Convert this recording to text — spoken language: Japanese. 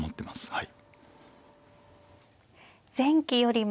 はい。